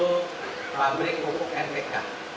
yaitu pabrik pupuk mpk